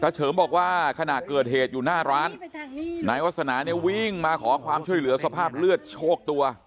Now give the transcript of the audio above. เฉิมบอกว่าขณะเกิดเหตุอยู่หน้าร้านนายวาสนาเนี่ยวิ่งมาขอความช่วยเหลือสภาพเลือดโชคตัว